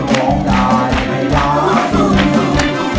ร้องได้ให้ล้าน